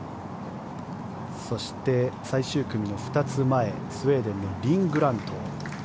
そして、最終組の２つ前スウェーデンのリン・グラント。